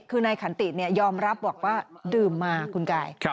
คือในขันติเนี่ยยอมรับบอกว่าดื่มมาคุณกาย